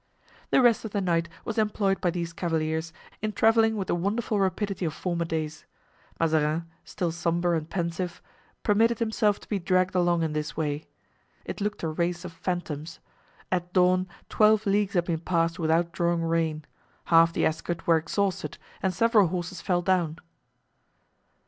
The rest of the night was employed by these cavaliers in traveling with the wonderful rapidity of former days. Mazarin, still sombre and pensive, permitted himself to be dragged along in this way; it looked a race of phantoms. At dawn twelve leagues had been passed without drawing rein; half the escort were exhausted and several horses fell down.